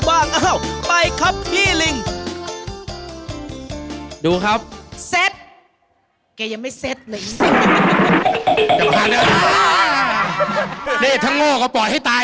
พวกเราน่าจะไม่รอดเพราะว่าเชือกมันสั้น